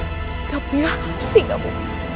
gak punya hati kamu